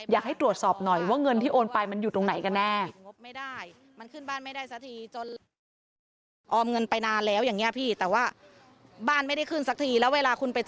อยากให้ตรวจสอบหน่อยว่าเงินที่โอนไปมันอยู่ตรงไหนกันแน่